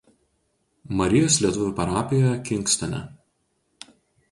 Marijos lietuvių parapijoje Kingstone.